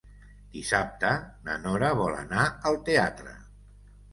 Dissabte na Nora vol anar al teatre.